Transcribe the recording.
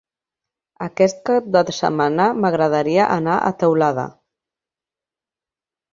Aquest cap de setmana m'agradaria anar a Teulada.